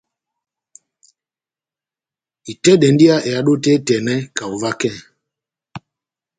Itɛ́dɛndi iha ehádo tɛ́h etɛnɛ kaho vakɛ.